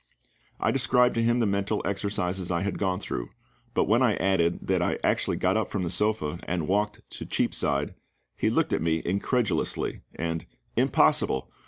I described to him the mental exercises I had gone through; but when I added that I had actually got up from the sofa and walked to Cheapside, he looked at me incredulously, and "Impossible!